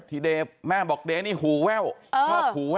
ที่แม่บอกเด๊นี่หูแว่ว